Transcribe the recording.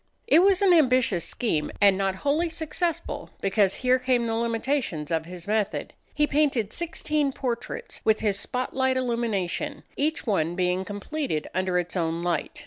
It was an ambitious scheme, and not wholly successful, because here came in the limitations of his method. He painted sixteen portraits with his spot light illumination, each one being completed under its own light.